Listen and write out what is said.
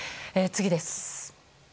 次です。